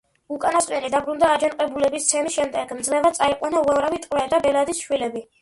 უკანასკნელი დაბრუნდა აჯანყებულების ცემის შემდეგ, მძევლად წაიყვანა უამრავი ტყვე და ბელადის შვილები.